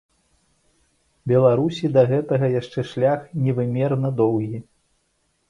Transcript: Беларусі да гэтага яшчэ шлях невымерна доўгі.